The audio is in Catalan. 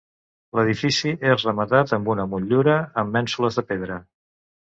L'edifici és rematat amb una motllura amb mènsules de pedra.